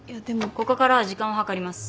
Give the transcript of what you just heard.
ここからは時間を計ります。